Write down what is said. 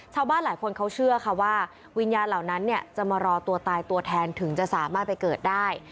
ชาวบ้านหลายคนเขาเชื่อค่ะว่าวิญญาณเหล่านั้นจะมารอตัวตายตัวแทนถึงจะสามารถไปเกิดได้